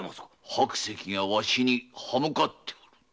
白石がわしに刃向かっておる。